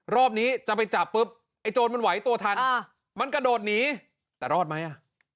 รอบนี้จะไปจับปุ๊บไอ้โจรมันไหวตัวทันมันกระโดดหนีแต่รอดไหมอ่ะ